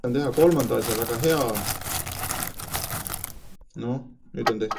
This species has separate sexes and there is no evidence of hermaphroditism.